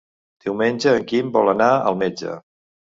Diumenge en Quim vol anar al metge.